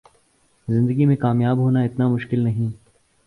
زندگی میں کامیاب ہونا اتنا مشکل نہیں